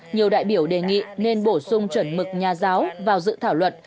nhiều đại biểu đề nghị nên bổ sung chuẩn mực nhà giáo vào dự thảo luật